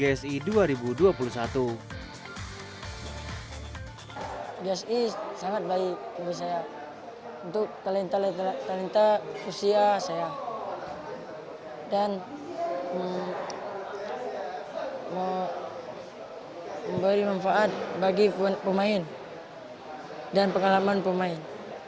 gsi sangat baik bagi saya untuk talenta talenta usia saya dan memberi manfaat bagi pemain dan pengalaman pemain